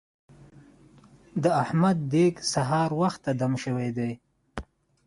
د احمد دېګ سهار وخته دم شوی دی.